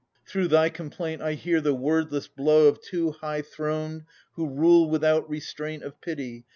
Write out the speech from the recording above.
Through thy complaint I hear the wordless blow Of two high throned, who rule without restraint Of Pity.